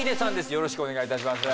よろしくお願いします